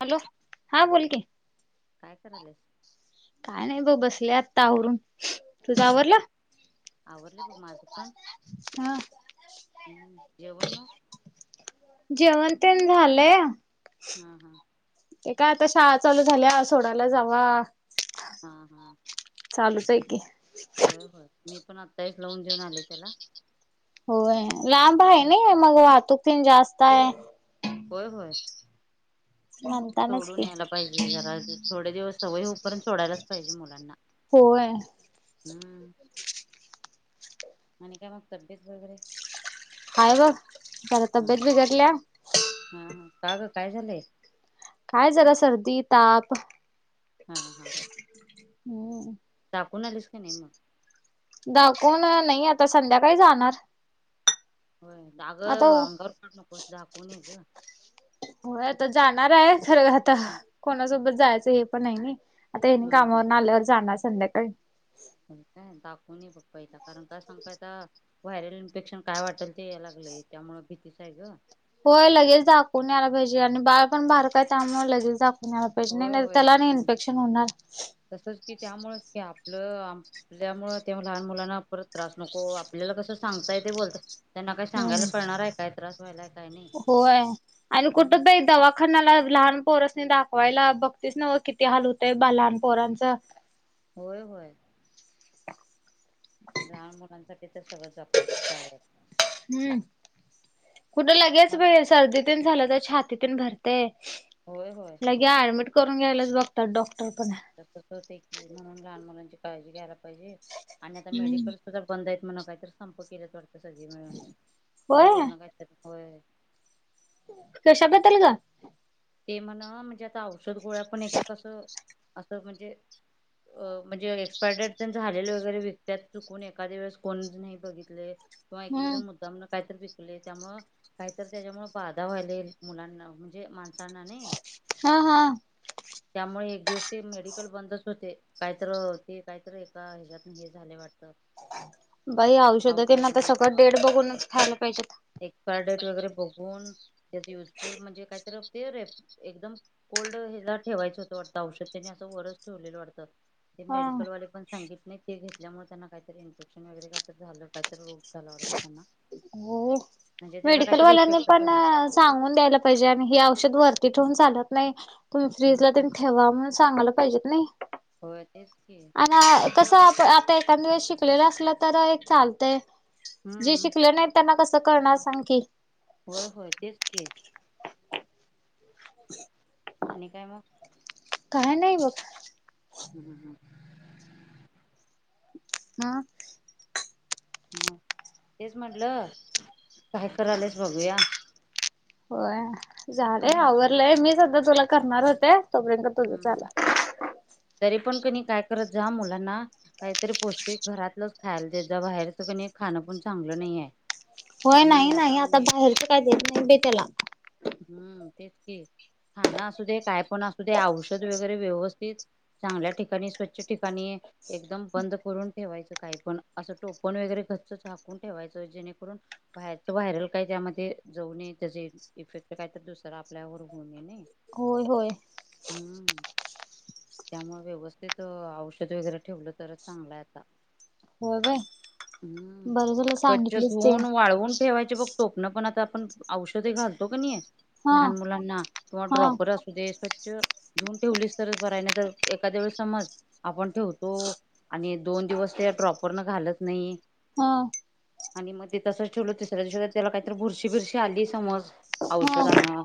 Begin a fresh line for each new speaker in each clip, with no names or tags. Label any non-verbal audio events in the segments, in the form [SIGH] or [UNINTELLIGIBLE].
Hello! हां बोल की.
काय कराल्यास?
काय नाही? ब बसले आत्ता आवरून.
[INAUDIBLE] बघ माझं पण
हां.
हम्म! जेवन म?
जेवण तेन झालंय.
हां हां.
ते काय आता शाळा चालू झाल्या सोडायला जावा
हा हा
चालूच आहे की.
होय होय, मी पण आत्ता हेच लावून देऊन आलोय, त्याला.
होय, लांब आहे नाही, मग वाहतूक तेन जास्त आहे.
होय होय.
म्हणतानाच
सोडून
की
यायला पाहिजे, जरा थोडे दिवस सवय होऊपर्यंत सोडायलाच पाहिजे मुलांना.
होय
हम्म! आणि काय मग तब्येत वगैरे?
हाय, बघ जरा
हा
तब्येत बिघडल्या.
हा हा का ग काय झालंय?
काय जरा सर्दी ताप.
हां हां.
हम्म!
दाखवून आलीस, क नाही मग?
दाखवून नाही, आता संध्याकाळी जाणार.
हो, अगं!
आता
अंगावर काढू नकोस दाखवून ये ग.
होय आता जाणार आहे, खरं आता कोणासोबत जायचं हे पण आहे नई. आता हेनी
हा हा
कामावरन आल्यावर जाणार संध्याकाळी.
काय दाखवून ये बघ पहिला, कारण काय सांगू आता व्हायरल इन्फेक्शन काय वाटेल ते यायला लाग? लय त्यामुळ भीतीच आहे ग.
होय लगेच दाखवून यायला पाहिजे आणि बाळ पण बारक हाय त्यामुळ लगेच दाखव वून यायला पाहिजे
होय
नाहीतर
होय
त्याला आणि इनफेक्शन होणार.
आपल आपल्यामुळ त्या लहान मुलांना परत त्रास नको आपल्याला कसं सांगता येतंय बोलता त्यांना काय सांगायला कळणार आहे काय त्रास व्हा
होय आणि कुठं
हम्म
बाई दवाखान्याला लहान पोरासनी दाखवायला बघतीस नव्ह किती हाल होतय बा लहान पोरांचं.
होय होय. लहान मुलांसाठी तर सगळं जपायची पाळी हाय.
हम्म कुठं लगेच
मग
बाई सर्दीतेन झालं तर छातीतेन भरतंय.
होय होय
लगे ऍडमिट करून घ्यायलाच बघतात डॉक्
तसच होतय की म्हणून लहान मुलांची काळजी घ्यायला पाहिजे. आणि आता
हम्म
मेडिकल सुद्धा बंद हैत म्हण कायतर संप केल्यात वाटत सगळी मिळून म्हणजे
होय
वर्ण काय तर
कश्या बद्धल गं?
ते म्हण म्हणजे आता औषध गोळ्या पण एक असं असं म्हणजे अ म्हणजे एक्सपायरी डेट तेन झालेले वगैरे विकत्यात चुकून एखाद्या वेळेस कोण नाही बघितले किंवा एक एक
हम्म.
जण मुद्धामुन कायतरी वीकले त्यामु काय तर त्याज्यामुळ बाधा व्हायलेल मुलांना म्हणजे माणसांना नैय.
हा हा.
एक दिवस ते मेडिकल बंदच होते काय तर अ ते कायतर एका हेजयत्न हे झाले वाट त.
बाई औषधं तेन आता सगळं डेट बघूनच खयला पाहिजेत.
एक्सपायरी डेट वगैरे बघून त्याच युजफुल म्हणजे कायतर ते रे एकदम कोल्ड हेला ठेवायचं होतं वाटतं औषधत्यानं असं वरच ठेवलेलं वाटतं. ते
हा
मेडिकल वाले पण सांगित नाहीत ते घेतल्यामुळे त्यांना कायतरी इन्फेक्शन वगैरे कायतर झालं कायतर रोग झाला वाटत त्यांना.
हो
म्हणजे त्याचा
मेडिकल
काहीतरी
वाल्यांनी
इफेक्ट
पण
झाला
सांगून द्यायला पाहिजे आणि हे औष षद वरती ठेवून चालत नाई. तुम्ही फ्रीज ला
हम्म
ततेन ठेवा म्हणून सांगायला पाहिजेत नई
होय तेच की
आणि आ कसं आता एखांदा वेळेस शिकलेला असला तर एक चालतंय जे
हम्म
शिकले नाहीत त्यांना कस कळणार सांग की.
होय होय तेच की. आणि काय म.
काय नाही बघ.
हम् हम्म.
[INAUDIBLE]
मग तेच म्हटलं काय करायल्यास बघूया.
होय झालय
हम्म
आवरलंय मीच आता तुला करणार होते. तोपर्यंत तुझं
हम्म हम्
झालं
तरी पण कने काय करत ज्या मुलांना काहीतरी पौष्टिक घरातलंच खायल देत जा बाहेरच कने खाणं पण चांगलं नाईहाय.
होय नाही नाही आता बाहेरच काय देत नाय बाई त्याला.
खाण असूदे काय पण असूदे औषध वगैरे व्यवस्थित चांगल्या ठिकाणी स्वच्छ ठिकाणी एकदम बंद करून ठेवायचं काही पण असं टोपण वगैरे गच्च झाकून ठेवायच जेणेकरून बाहेरच व्हायरल काय त्यामध्ये जाऊ नये त्याचे इफेक्ट काही तर दुसरां आपल्यावरर होऊ नये ने.
होय होय.
हम्म. त्यामुळे व्यवस्थित अ औषध वगैरे ठेवलं तरच चांगलाय आता.
हो बाई.
हम्म स्वच्छ धुऊन वाळवून ठेवायचे बघ टोपनं पण आता. पण औषधे घालतो कने
हा
लहान मुलांना किवा
हा
ड्रॉपर असूदेस स्वच्छ धऊन ठेवलीस तरच बराय नाही तर एखाद्या वेळेस समज आपण ठेवतो आणि दोन दिवस त्या ड्रॉपरन घालत नाई.
हा.
आणि म ते तसंच ठेवल तिसऱ्या दिवशी जर त्याला काहीतरी भूरशी बिरशी आली समज.
हा
औषधांना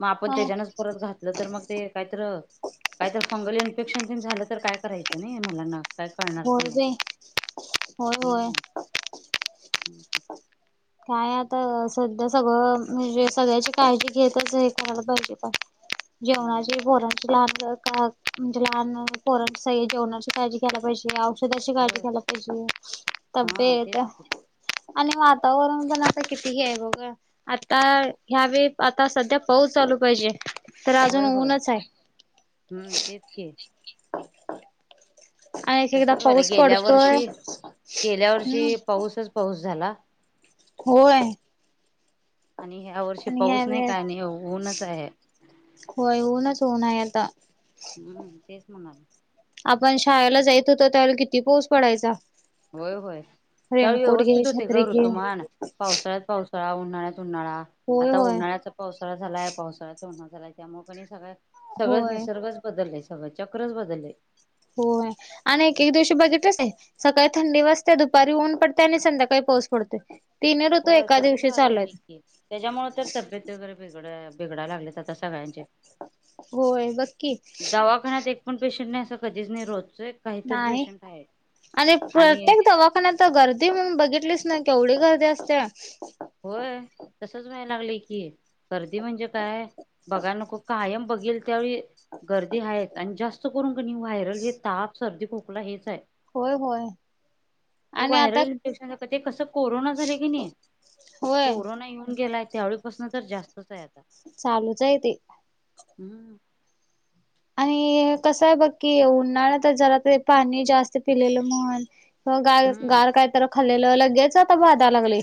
म आपण
होय
त्याज्यानच परत घातलं तर मग ते काय तर काय तर फंगल इन्फेक्शन तेन झालं तर काय करायचं नय मुलांना. काय कळणार पण
होय
नाही
बाई होय होय.
हम्म [INAUDIBLE]
काय आता सध्या सगळं म्हणजे सगळ्याची काळजी घेतच हाय करायला पाहिजे [UNINTELLIGIBLE] जेवणा
हम्म
ज बोरां च ला म्हणजे लहान पोर जेवणाची काळजी घयला पाहिजे काळजी
होय
घ्यायला पाहिज
हा
तब्येत
तेच
आणि आ वातावरण जणता कितीही आहे बघा आता ह्यावे आता सध्या पाऊस चालू पाहिजे तर अजून
होय होय
ऊनच आहे
हम्म तेच के
आणि एक एकदा
तसच वालं
पाऊस
गेल्या
पडतोय
वर्षी गेल्या
हम्म
वर्षी पाऊसच पाऊस झाला
होय
आणि ह्या वर्षी
आणि ह
पाऊस नाही
वस
काय नाही ऊनच आहे
हो ऊनच होऊन आहे आता
हम्म तेस म्हणार
पण शाळेला जायत होत त्यावे किती पाऊस पडायचा
होय होय त्यावेळी
रेनकोट घे,
व्यवस्थित होते
छत्री
गर
घे.
तु माण पावसाळ्यात पावसाळा उन्हाळ्यात उन्हाळा
होय
आता
होय
उन्हाळ्याचा पावसाळा झालाय पावसाळ्याचा उन्हाळा झालाय त्यामुळे प सगळ सगळंच
होय
निसर्गच बदलय सगळं चक्रच बदलय
हो आणि एक दिवशी बजेटच आहे सकाळ थंडी वाजते दुपारी ऊन पडते आणि संध्याकाळी पाोस पडतेो
होय तसच व्हाय लागलंय की त्याच्यामुळेळ तर तब्येत वगैरे वेगळं आहे ेड लाग आ सगळ्यांचे
होय बघ की
दवाखान्यात एक पण पेशंट कधीच नाही रो
नाही आणि प्रत्येक दवाखान्यात गर्दी म्हणून बघितलीच नाही. केवढी गर्दी असते
होय तसच वय लागलं की गर्दी म्हणजे काय बघा नको कायम बघेल त्यावेळी गर्दी हा आणि जास्त करून क व्हायरल हे ताप सर्दी खोकला हेच आहे
होय होय
हे
आणि आता
व्हायरल इफेशन ते कसं कोरोना झाले की नाही
होय
कोरोना येऊन गेलाय त्यावेळीपासून तर जास्त
चालूच आहे ते
हम्म
आणि कस आहे बघ कि उन्हाळ्यात झाला तर पाणी जास्त त पिलेलं म्हण किवा गा
हम्म
गार काय तर खाल्लेलं लगेच आता बधा लागले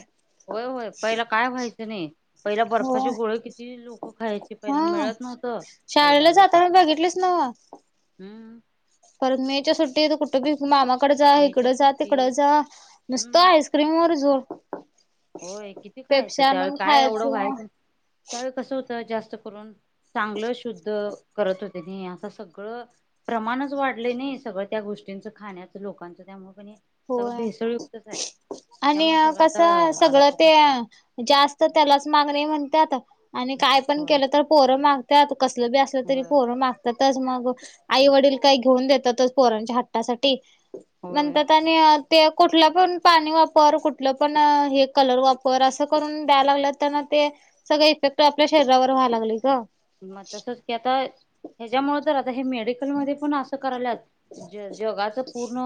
होय होय पहिला काय व्हायचं नाही पहिला बर्फाचे
होय.
गोळे किती लोक खायचे पहिला
हा
मिळत नव्हतं पहिला
शाळेला जाताना
लोकांना
बघितलेच नव
हम्म
परण मीच्या सुट्टी तर कुठ मामा तकड जा
मेच्या
इकडं जा
सुट्टीत
तिकडं जा मस्त
हम्म
आईस्क्रीम वर जोड
होय किती खायचं त्यावे
आणून
काय एवढं
खायचं
व्हायचं त्यावेळी कसं होतं जास्त करून चांगलं शुद्ध करत होते असं सगळं प्रमाणच वाढले नाही सगळं त्या गोष्टींचं खाण्याचं लोकांचं त्यामुळे सगळं
होय.
भेसरयुक्तच आहे
आणि
त्यामुळे सगळं आता
कसं सगळं
आरोग्य
ते
बिघडायला
जास्त त्यालाच मागणी म्हणतात आणि काय पण
होय
केलं तर पोरं मागत्यात, कसलं बी असलं तरी
होय
पोरं मागत्यातच मग आई वडील काय घेऊन देतातच पोरांच्या हट्टासाठी.
होय
नंतर [UNINTELLIGIBLE] ते कुठलं पण पाणी वापर, कुठलं पण हे कलर वापर, असं करून द्याल लागल्यात तेन ते सगळे इफेक्ट आपल्या शरीरावर व्हालागलंय गं
मग तसच की, आता हेज्यामुळ तर आता हे मेडिकल मध्ये पण असं करायल्यात ज जगाचं पूर्ण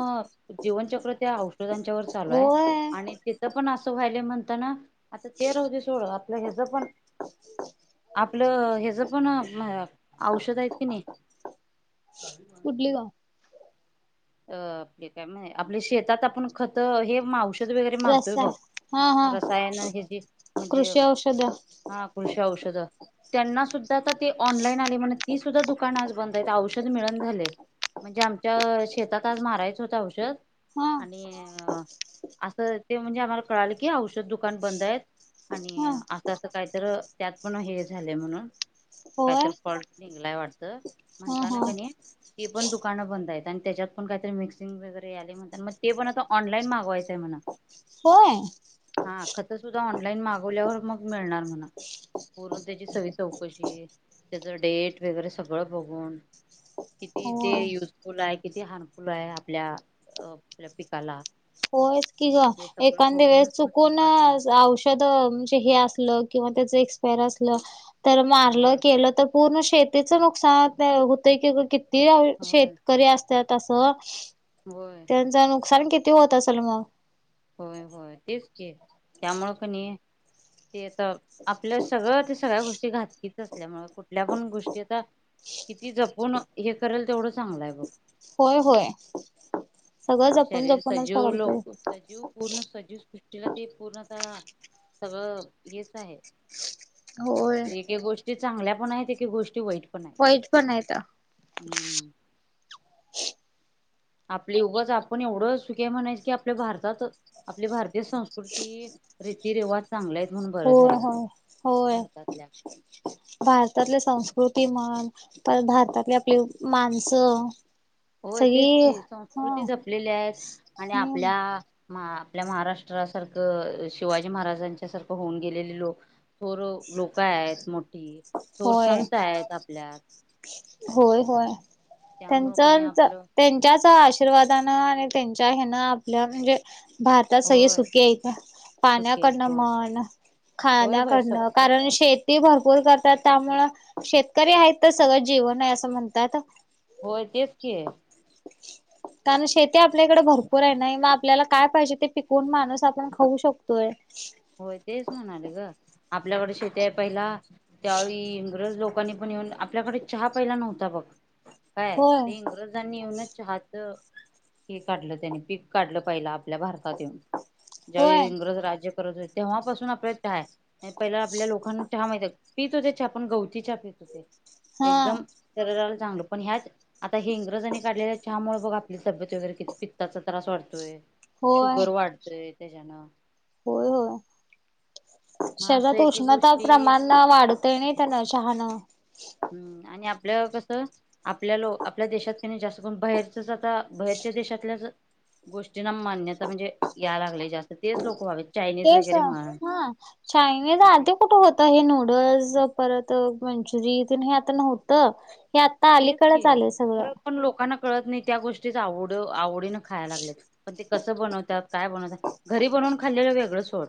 जीवनचक्र त्या औषधांच्या वर चालू हाय.
होय
आणि तिथं पण असं व्हायलय म्हण आता ना आता ते राहूदे सोड, आपलं हेज पण आपलं हेज ज पण म औषध हाईत कनी
कुठली ग
अ ते काय माही आपल्या शेतात आपण खत हे म औष खत वगैरे मारतोय
रसाय
बघ
हा हा
रसायन हेजी म्हणजे
कृषी औषध
हा कृषी औषधं, त्यांना सुद त आता ती ऑनलाईन आली म्हण ती सुद्धा दुकान आज बंद आहेत, औषध मिळना झालय. म्हणजे आमच्या शेतात आज मारायचं होत औषध
हा
आणि असं ते म्हणजे आम्हाला कळालं की औषध दुकान बंद आहेत आणि
हा
असं असं काहीतर त्यात पण हे झाले म्हणून
होय
कायतर फॉल्ट निघलाय वाटत,
हा
म्हणताना
हा
कने ती पण दुकानं बंद हाईत. आणि त्याच्यात पण काहीतरी मिक्सिंग वगैरे आलय म्हणताण, म ते पण आता ऑनलाईन मागवायचंय म्हण.
होय
हा खतं‍ सुद्धा ऑनलाइन मागवल्यावर मग मिळणार म्हण. पूर्ण त्याची सगळी चौकशी त्याचं डेट वगैरे सगळं बघून किती ते
होय
युजफुल हाय, किती हार्म बाई आपल्या अ आपल्या पिकाला
होयच की ग.
हे सगळं
एकांदे वेळेस
बघूनच मग मी
चुकून
पाठवणार
औषध म्हणजे हे असलं किंवा पण त्याच एक्स पेर असलं तर मारलं
होय
केलं, तर पूर्ण शेतीच नुकसान आपल्या हुतय की ग कित ते अ
होय
शेतकरी असत्यात असं
होय
त्यांचं नुकसान किती होत असलं मग?
होय होय. तेच की, त्यामुळं कणी ते तर आपलं सगळं ते सगळ्या गोष्टी [UNINTELLIGIBLE] असल्यामुळे कुठल्या पण गोष्टी आता किती जपून हे करेल तेवढं चांगलंय बघ.
होय होय. सगळं जपून
शरीर
जपूनच
सजीव
करायला
लोक,
पाहिजे
सजीव पूर्ण सजीव सृष्टीला ते पूर्ण हं सगळं हेच आहे
होय.
एक एक गोष्टी चांगल्या पण हाईत एक एक गोष्टी वाईट पण आहेत
वाईट पण हाईता
हम्म आपली उगच आपण एवढं सुखी हाय म्हणायचं, की आपल्या भारतात आपली भारतीय संस्कृती रीती रिवाज
होय, होय, होय.
भारतातल्या
भारतातले संस कृती म्हण, परत भारतातली आपली माणसं
होय तेच
सगळी
की,
हा
संस्कृती जपलेली आहेत आणि
हम्म
आपल्या म्हा आपल्या महाराष्ट्रासारखं शिवाजी महाराजांच्या सारखं होऊन गेलेले लोक थोर लोक आहेत मोठी, थोर
होय
संत आहेत आपल्यात.
होय होय.
त्यामुळं
त्यांच
कणी
च
आपलं
त्यांच्याच आशीर्वादानं आणि त्यांच्या हेन आपल्या म्हणजे भारतात सगळी
होय
सुकी हाईत,
चुकीत
पाण्याकडनं
होय
मन
होय होय
खाण्याकडनं
सगळं
कारण शेत ती भरपूर करतात त्यामुळं, शेतकरी हाईत तर सगळं जीवन हाय असं म्हणतात.
होय तेच की.
कारण शेती आपल्याकडं भरपूर हाय नाही म आप आपल्याला काय पाहिजे ते पिकवून माणूस आपण खाऊ शकतोय.
होय तेच म्हणाले ग आपल्याकडे शेती आहे पहिला त्यावेळी इंग्रज लोक लोकांनी पण येऊन आपल्याकडे चहा पहिला नव्हता बघ काय
होय
ते इंग्रजांनी येऊनच चहाच हे काढलं त्याने पीक काढलं पाहिलं आप आपल्या भारतात येऊन
होय
ज्यावेळी इंग्रज राज्य करत होते तेव्हापासून आपल्या क चहा आहे. पहिला आपल्या लोकांना चहा माहित पीत होते चहा पण गवती चहा पीत होते
हा
एकदम शरीराला चांगलं पण ह्याच आता हे इंग्रजानी काढलेल्या चहामुळे बघा आपली तब्येत वगैरे किती पित्ताचा त्रास वाढतोय
होय
शुगर वाढतय त्याच्यानं.
होय होय
मग असं
शरीरात
एक एक
उष्णता
गोष्टी
प्रमाण वाढतय नाही त्यान चहान.
हम्म आणि आपलं कसं आपल्या लोक आपल्या देशात क जास्त करून बाहेरचच आता बाहेर देशातल्या गोष्टीना मान्यता म्हणजे या लागले जास्त तेच लोक व्हाव.
तेच हा चायनीज आधी कुठे होत हे नूडल्स परत मंचुरी हे आता नव्हतं हे आता
तेच
आलीकडेच
की
आलेय सगळं
खरं पण लोकांना नाही त्या गोष्टीवड आवडी खायला लागत पण तें बनवतात काय बनवतात घरी ब खाल्लेलं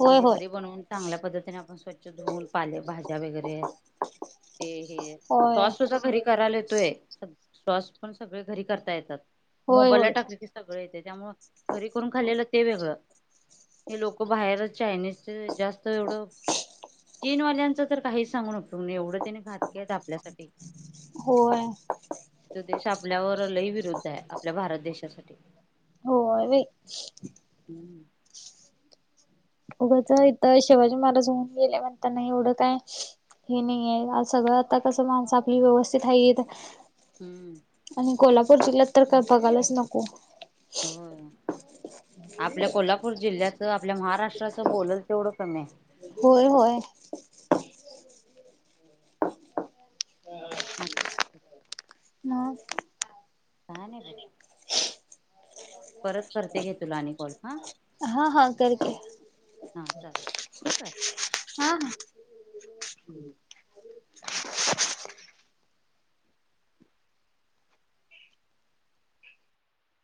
होय
म्हणजे
होय.
घरी बनून चांगल्या पद्धतीने आपण स्वच्छ धुन पाले भाज्या वगैरे ते हे
होय
सॉस. सुद्धा घरी करायला येतोय सॉस पण सगळे घरी करता येतात.
होय
मोबाईलला
होय.
टाकले की सगळ येते त्यामुळे घरी करून खालेलं ते वेगळं हे लोक बाहेरच चायनीजचे जास्त एवढं. चीन वाल्यांचं तर काहीच सांगू नकतो एवढं त्याने घातक आहेत आपल्यासाठी
होय
त देश आपल्यावरलही विरुद्ध आहे आपल्या भारत देशासाठी.
हो
[INAUDIBLE]
उघंच इथ शिवाजी महाराज होऊन गेले म्हणताना एवढं काय? हे नाही आहे सगळं आता कसं माणसं आपली व्यवस्थित आहे येत.
हम्म
कोल्हापूर जिल्ह्यात तर काय बघायलाच नको.
हो आपल्या कोल्हापूर जिल्ह्याचं आपल्या महाराष्ट्राचं बोलल तेवढं कमी आहे.
होय होय.
असं
मग
का नाही ब. परत करते घे तुला आणि कॉल हा.
हा हा कर की
हा चाल ठेवू काय?
हा ह